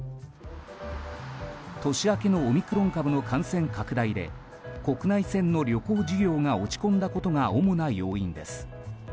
年明けのオミクロン株の感染拡大で国内線の旅行需要が落ち込んだことが主な要因です。